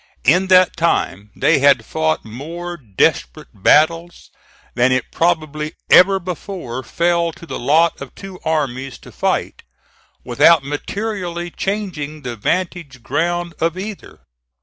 In that time they had fought more desperate battles than it probably ever before fell to the lot of two armies to fight, without materially changing the vantage ground of either.